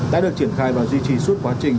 đã được triển khai và duy trì suốt quá trình